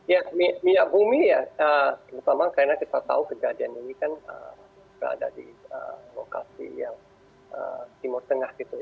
ya minyak bumi ya terutama karena kita tahu kejadian ini kan berada di lokasi yang timur tengah gitu